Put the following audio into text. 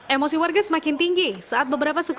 emosi warga semakin tinggi saat beberapa sekolah